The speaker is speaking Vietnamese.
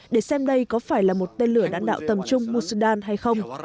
để xem đây có phải là một tên lửa đạn đạo tầm trung mushdad hay không